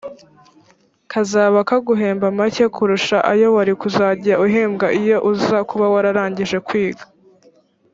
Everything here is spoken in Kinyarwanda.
kazaba kaguhemba make kurusha ayo wari kuzajya uhembwa iyo uza kuba wararangije kwiga